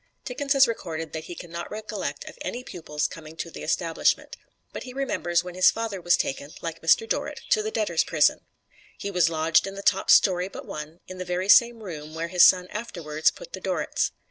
Dickens has recorded that he can not recollect of any pupils coming to the Establishment. But he remembers when his father was taken, like Mr. Dorrit, to the Debtors' Prison. He was lodged in the top story but one, in the very same room where his son afterwards put the Dorrits.